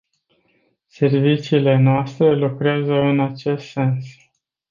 Serviciile noastre lucrează în acest sens.